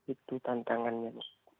itu tantangannya nih